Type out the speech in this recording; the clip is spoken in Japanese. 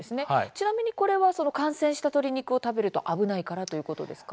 ちなみにこれはその感染した鶏肉を食べると危ないからということですか。